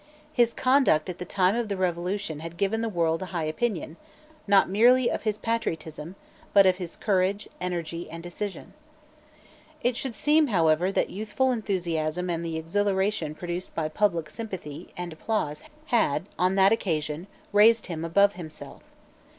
His conduct at the time of the Revolution had given the world a high opinion, not merely of his patriotism, but of his courage, energy and decision. It should seem, however, that youthful enthusiasm and the exhilaration produced by public sympathy and applause had, on that occasion, raised him above himself.